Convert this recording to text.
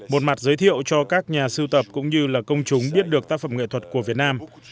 một mặt giới thiệu cho các nhà sưu tập cũng như là công chúng biết được tác phẩm nghệ thuật của việt nam